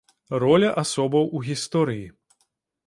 Роля асобаў у гісторыі.